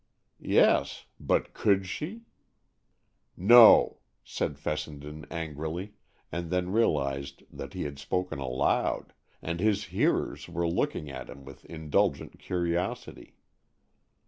Yes, but could she? "No!" said Fessenden angrily, and then realized that he had spoken aloud, and his hearers were looking at him with indulgent curiosity.